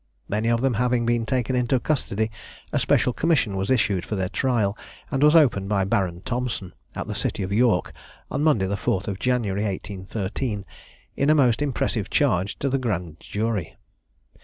Many of them having been taken into custody a special commission was issued for their trial, and was opened by Baron Thompson, at the city of York, on Monday the 4th of January 1813, in a most impressive charge to the grand jury.